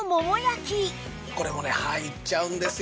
これもね入っちゃうんですよね